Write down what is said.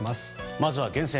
まずは厳選！